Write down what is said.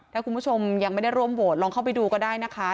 ถ้าคุณผู้ชมยังไม่ได้ร่วมโหวตลองเข้าไปดูก็ได้นะคะ